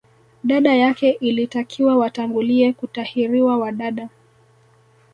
Dada yake ilitakiwa watangulie kutahiriwa wa dada